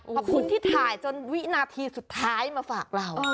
ขอบคุณที่ถ่ายจนวินาทีสุดท้ายมาฝากเรา